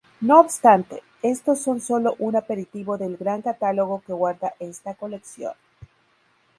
No obstante, estos son sólo un aperitivo del gran catálogo que guarda esta colección.